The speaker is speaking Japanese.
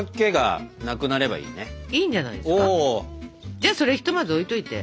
じゃあそれひとまず置いといて。